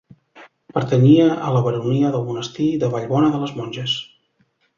Pertanyia a la baronia del monestir de Vallbona de les Monges.